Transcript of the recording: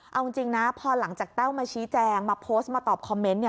เอาจริงนะพอหลังจากแต้วมาชี้แจงมาโพสต์มาตอบคอมเมนต์